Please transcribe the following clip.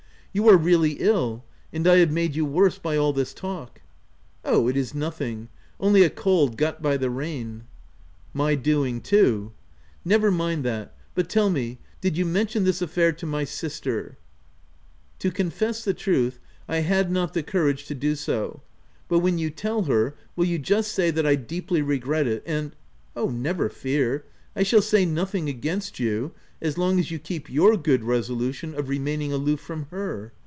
" You are really ill, and I have made you worse by all this talk." et Oh, it is nothing : only a cold got by the rain." " My doing, too.'' " Never mind that — but tell me, did you men tion this affair to my sister ?"" To confess the truth, I had not the courage to do so ; but when you tell her, will you just say that I deeply regret it, and —*' Ci Oh, never fear ! I shall say nothing against you, as long as you keep your good resolution of remaining aloof from her.